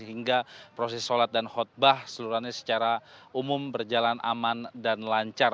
hingga proses sholat dan khutbah seluruhannya secara umum berjalan aman dan lancar